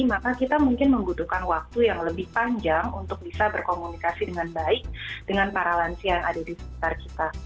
maka kita mungkin membutuhkan waktu yang lebih panjang untuk bisa berkomunikasi dengan baik dengan para lansia yang ada di sekitar kita